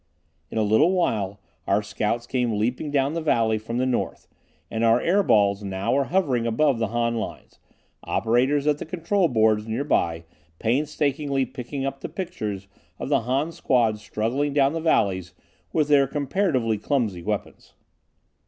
In a little while our scouts came leaping down the valley from the north, and our air balls now were hovering above the Han lines, operators at the control boards near by painstakingly picking up the pictures of the Han squads struggling down the valleys with their comparatively clumsy weapons.